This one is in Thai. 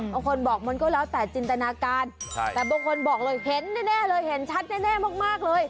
บางคนบอกมันก็แล้วแต่จินตนาการแต่บางคนบอกเลยเห็นแน่เลยเห็นชัดแน่มากเลย